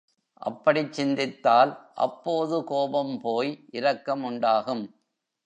அப்படிச் சிந்தித்தால் அப்போது கோபம் போய் இரக்கம் உண்டாகும்.